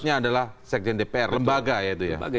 ini adalah sekjen dpr lembaga ya itu ya